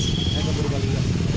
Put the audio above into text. saya ke burugali